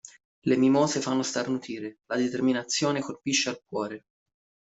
Le mimose fanno starnutire, la determinazione colpisce al cuore.